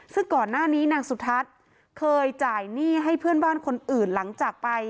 ซึ่งก่อนหน้านี้นางสุทัศน์เคยจ่ายหนี้ให้เพื่อนบ้านคนอื่นหลังจากไป